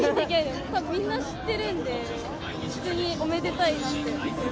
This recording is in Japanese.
みんな知ってるんで、普通におめでたいなって。